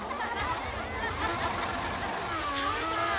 晴れた！